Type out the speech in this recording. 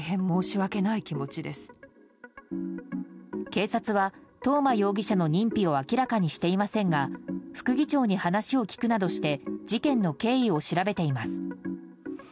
警察は東間容疑者の認否を明らかにしていませんが副議長に話を聞くなどして事件の経緯を調べています。